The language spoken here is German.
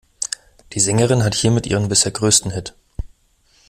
Die Sängerin hat hiermit ihren bisher größten Hit.